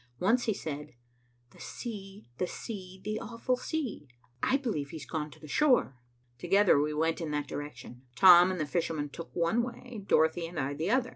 Once he said, 'The sea, the sea, the awful sea.' I believe he has gone to the shore." Together, we went in that direction. Tom and the fisherman took one way, Dorothy and I the other.